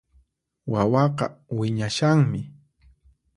Wawaqa wiñashanmi